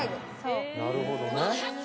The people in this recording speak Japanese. なるほどね。